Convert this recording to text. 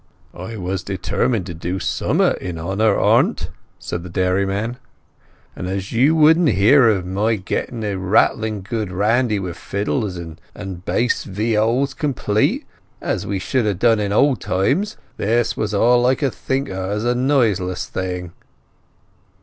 "I was determined to do summat in honour o't", said the dairyman. "And as you wouldn't hear of my gieing a rattling good randy wi' fiddles and bass viols complete, as we should ha' done in old times, this was all I could think o' as a noiseless thing."